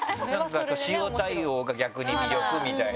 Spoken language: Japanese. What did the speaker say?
塩対応が逆に魅力みたいな。